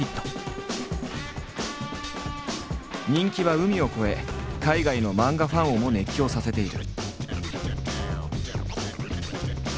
人気は海を超え海外の漫画ファンをも熱狂させている。